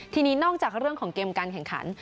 ทีนี้นอกจากเรื่องของเกมการแข่งขัน